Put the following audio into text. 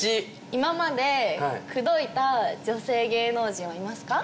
今まで口説いた女性芸能人はいますか？